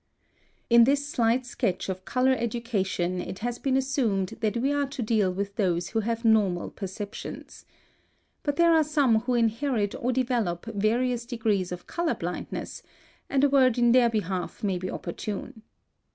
(182) In this slight sketch of color education it has been assumed that we are to deal with those who have normal perceptions. But there are some who inherit or develop various degrees of color blindness; and a word in their behalf may be opportune.